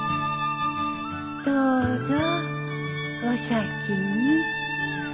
どうぞお先に